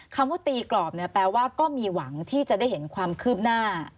คำว่าตีกรอบเนี่ยแปลว่าก็มีหวังที่จะได้เห็นความคืบหน้า